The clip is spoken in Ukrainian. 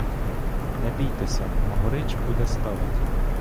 Не бійтеся, могорич будете ставить!